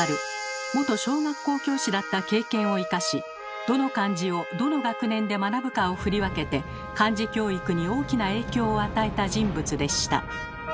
元小学校教師だった経験を生かしどの漢字をどの学年で学ぶかを振り分けて漢字教育に大きな影響を与えた人物でした。